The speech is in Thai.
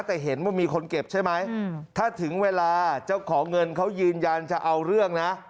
แต่เห็นว่ามีคนเก็บใช่ไหมถ้าถึงเวลาเจ้าของเงินเขายืนยันจะเอาเรื่องนะ